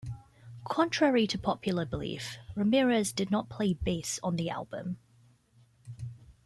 Contrary to popular belief, Ramirez did not play bass on the album.